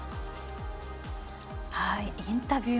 インタビュー